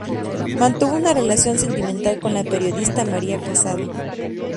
Mantuvo una relación sentimental con la periodista María Casado.